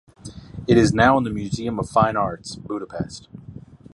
It is now in the Museum of Fine Arts (Budapest).